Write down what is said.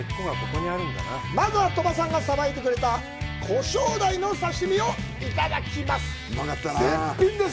まずは、鳥羽さんがさばいてくれたコショウダイの刺身をいただきます。